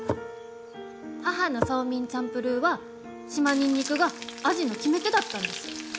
母のソーミンチャンプルーは島ニンニクが味の決め手だったんです。